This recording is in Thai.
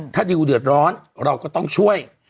ถ้าดิวเดือดร้อนเราก็ต้องช่วย